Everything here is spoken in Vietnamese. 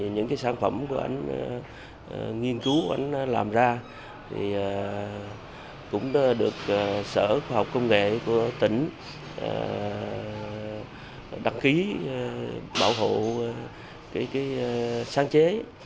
những cái sản phẩm của anh nghiên cứu anh làm ra cũng được sở khoa học công nghệ của tỉnh đặt ký bảo hộ sáng chế